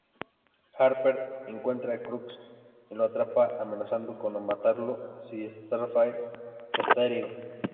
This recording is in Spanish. Harper encuentra a Crux y lo atrapa, amenazando con matarlo si Starfire está herido.